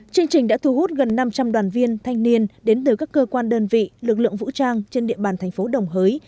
chương trình đã thu hút gần năm trăm linh đoàn viên thanh niên đến từ các cơ quan đơn vị lực lượng vũ trang trên địa bàn thành phố đồng hới